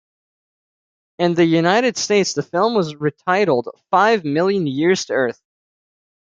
In the United States the film was retitled "Five Million Years to Earth".